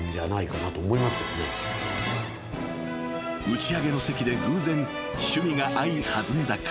［打ち上げの席で偶然趣味が合い弾んだ会話］